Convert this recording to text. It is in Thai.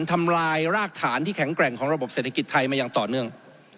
ทำลายรากฐานที่แข็งแกร่งของระบบเศรษฐกิจไทยมาอย่างต่อเนื่อง